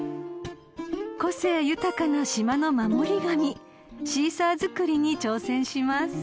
［個性豊かな島の守り神シーサー作りに挑戦します］